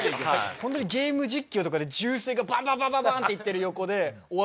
ホントにゲーム実況とかで銃声がバババババンっていってる横で。